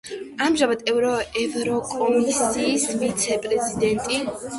ამჟამად ევროკომისიის ვიცე-პრეზიდენტი.